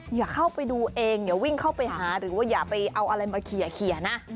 อย่าเข้าไปดูเองอย่าวิ่งเข้าไปหาหรือว่าอย่าไปเอาอะไรมาเคลียร์นะ